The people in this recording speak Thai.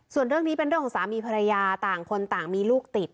ส่วนเรื่องนี้เป็นเรื่องของสามีภรรยาต่างคนต่างมีลูกติด